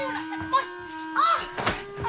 もし